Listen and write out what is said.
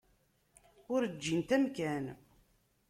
Ur ǧǧint amkan.